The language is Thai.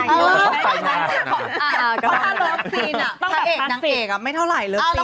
เพราะถ้าเลิฟซีนพระเอกนางเอกไม่เท่าไหร่เลย